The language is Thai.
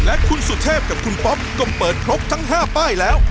และคุณสุเทพกับคุณป๊อปก็เปิดครบทั้ง๕ป้ายแล้ว